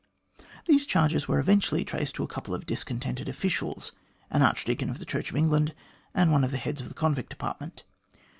These charges were eventually traced to a couple of discontented officials, an archdeacon of the Church of England, and one of the heads of the Convict Department.